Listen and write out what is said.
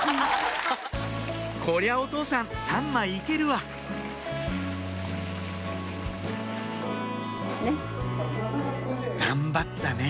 こりゃお父さん３枚行けるわ頑張ったね